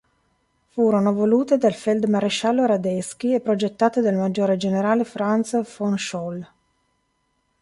Furono volute dal feldmaresciallo Radetzky e progettate dal maggiore generale Franz von Scholl.